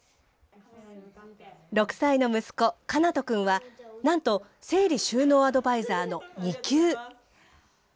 ６歳の息子、奏人君は、なんと整理収納アドバイザーの２級。